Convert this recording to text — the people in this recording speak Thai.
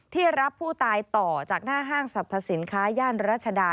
ที่รับผู้ตายต่อจากหน้าห้างสรรพสินค้าย่านรัชดา